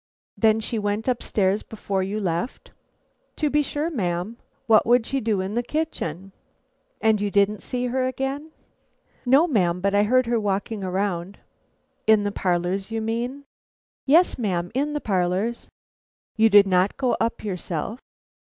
"Then she went up stairs before you left?" "To be sure, ma'am; what would she do in the kitchen?" "And you didn't see her again?" "No, ma'am; but I heard her walking around." "In the parlors, you mean?" "Yes, ma'am, in the parlors." "You did not go up yourself?"